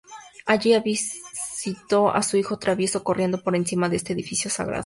Allí avistó a su hijo travieso corriendo por encima de este edificio sagrado.